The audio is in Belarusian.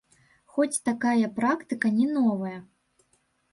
Хоць такая практыка не новая.